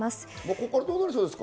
これからどうなりそうですか？